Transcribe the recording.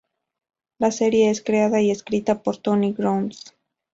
La serie es creada y escrita por Tony Grounds.